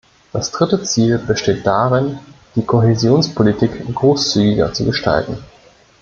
Das dritte Ziel besteht darin, die Kohäsionspolitik großzügiger zu gestalten.